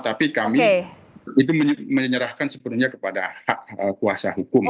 tapi kami itu menyerahkan sepenuhnya kepada hak kuasa hukum